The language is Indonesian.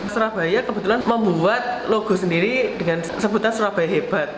surabaya kebetulan membuat logo sendiri dengan sebutan surabaya hebat